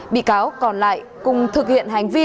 bị cáo còn lại cùng thực hiện hành vi